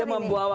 oke itu dulu